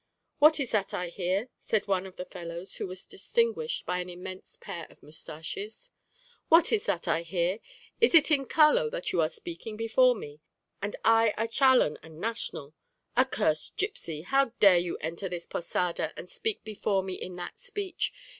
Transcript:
"What is that I hear?" said one of the fellows, who was distinguished by an immense pair of mustaches. "What is that I hear? Is it in Caló that you are speaking before me, and I a chalan and national? Accursed gipsy, how dare you enter this posada and speak before me in that speech?